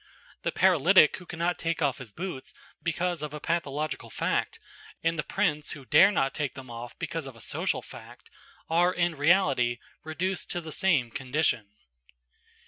The paralytic who cannot take off his boots because of a pathological fact, and the prince who dare not take them off because of a social fact, are in reality reduced to the same condition.